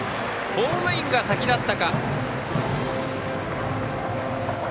ホームインが先だったか。